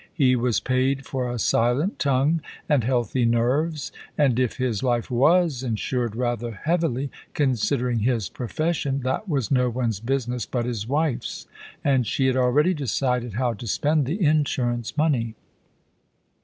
He was paid for a silent tongue and healthy nerves, and if his life was insured rather heavily, considering his profession, that was no one's business but his wife's, and she had already decided how to spend the insurance money.